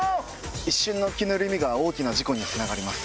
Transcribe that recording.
一瞬の気の緩みが大きな事故につながります。